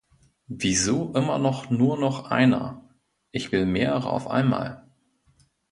Wieso immer noch nur noch einer? Ich will mehrere auf einmal.